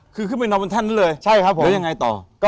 คุ้นไปนอนของท่านนั้นเลยหลายังไงต่อ